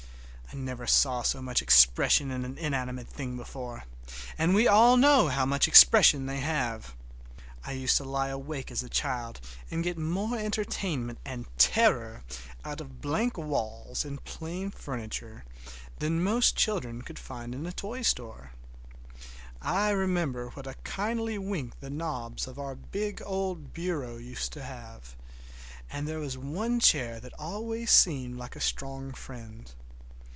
I never saw so much expression in an inanimate thing before, and we all know how much expression they have! I used to lie awake as a child and get more entertainment and terror out of blank walls and plain furniture than most children could find in a toy store. I remember what a kindly wink the knobs of our big old bureau used to have, and there was one chair that always seemed like a strong friend.